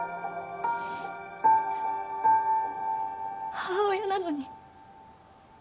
母親なのに。